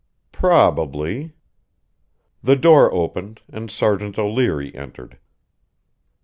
"Probably " The door opened, and Sergeant O'Leary entered.